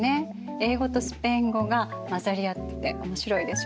英語とスペイン語が交ざり合ってて面白いでしょ？